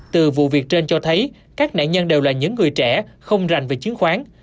từ vụ việc trên cho thấy các nạn nhân đều là những người trẻ không rành về chiến khoán